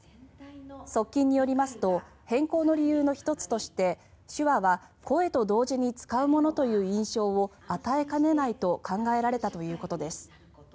側近によりますと変更の理由の１つとして手話は声と同時に使うものという印象を与えかねないと考えられたということです。